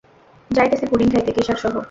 যাইতেসি pudding খাইতে, কেসার সহ।